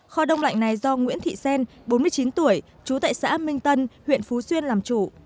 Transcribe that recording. kho đông lạnh này do nguyễn thị xen bốn mươi chín tuổi trú tại xã minh tân huyện phú xuyên làm chủ